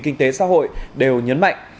kinh tế xã hội đều nhấn mạnh